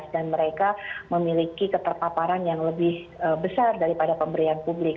dan mereka memiliki keterpaparan yang lebih besar daripada pemberian publik